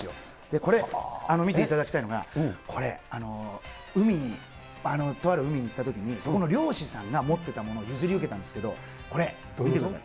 これ、見ていただきたいのが、これ、海に、とある海に行ったときに、そこの漁師さんが持ってたもの、譲り受けたんですけど、これ、見てください。